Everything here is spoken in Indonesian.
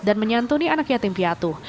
dan menyantuni anak yatim piatu